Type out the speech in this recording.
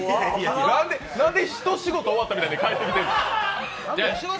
なんで一仕事終わったみたいに帰ってきてるの？